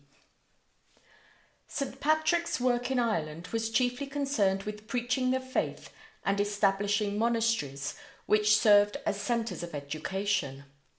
S.B. St. Patrick's work in Ireland was chiefly concerned with preaching the faith and establishing monasteries which served as centres of education.